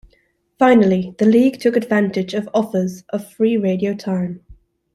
Finally, the League took advantage of offers of free radio time.